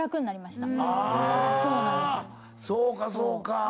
そうかそうか。